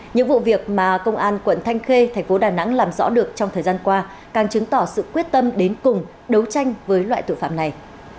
những vụ việc mà công an quận thanh khê thành phố đà nẵng làm rõ được trong thời gian qua càng chứng tỏ sự quyết tâm đến cùng đấu tranh với loại tội phạm này